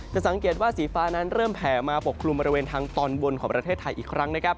สังเกตว่าสีฟ้านั้นเริ่มแผ่มาปกคลุมบริเวณทางตอนบนของประเทศไทยอีกครั้งนะครับ